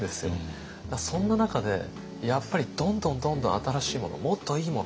そんな中でやっぱりどんどんどんどん新しいものもっといいもの